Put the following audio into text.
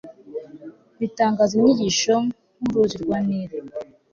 ritangaza inyigisho nk'uruzi rwa nili